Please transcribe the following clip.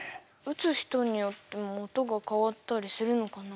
打つ人によっても音が変わったりするのかな？